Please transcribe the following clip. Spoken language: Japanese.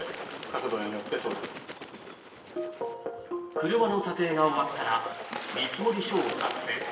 車の査定が終わったら見積書を作成。